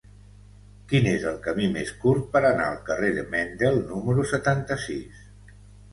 Quin és el camí més curt per anar al carrer de Mendel número setanta-sis?